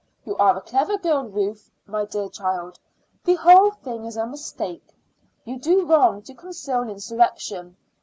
You are a clever girl, Ruth. My dear child, the whole thing is a mistake. You do wrong to conceal insurrection.